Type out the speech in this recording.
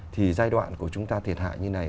thì giai đoạn của chúng ta thiệt hại như này